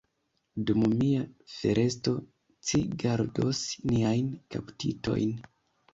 Dum mia foresto, ci gardos niajn kaptitojn.